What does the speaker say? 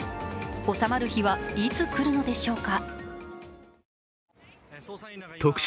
収まる日はいつ来るのでしょうか。